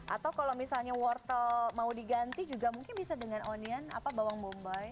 atau kalau misalnya wortel mau diganti juga mungkin bisa dengan onion apa bawang bombay